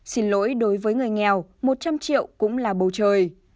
xin lỗi đối với người nghèo một trăm linh triệu cũng là bầu trời